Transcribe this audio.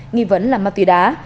nghi vấn là ma tùy đá